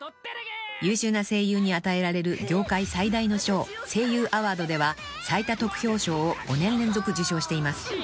［優秀な声優に与えられる業界最大の賞声優アワードでは最多得票賞を５年連続受賞しています］